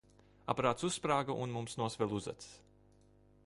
Aparāts uzsprāga, un mums nosvila uzacis.